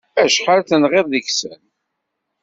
Acḥal tenɣiḍ seg-sen?